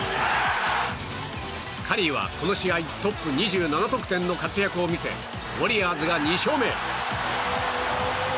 カリーはこの試合トップ２７得点の活躍を見せウォリアーズが２勝目。